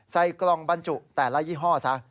ใส่กล่องบรรจุแต่ละยี่ห้อซะ